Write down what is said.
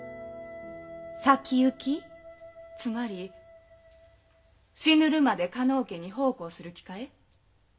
つまり死ぬるまで加納家に奉公する気かえ？